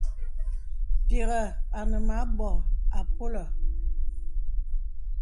Pìghə̀ ane mə anbô àpolə̀.